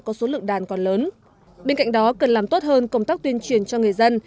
có số lượng đàn còn lớn bên cạnh đó cần làm tốt hơn công tác tuyên truyền cho người dân